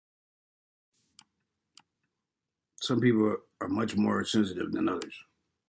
Some people are much more sensitive than others.